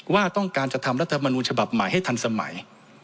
ว่าต้องการจะทำรัฐมนูญฉบับใหม่ให้ทันสมัย